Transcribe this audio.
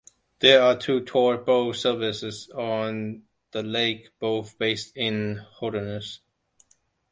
There are two tour boat services on the lake, both based in Holderness.